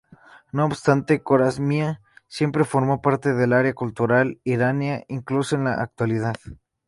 No obstante, Corasmia siempre formó parte del área cultural irania, incluso en la actualidad.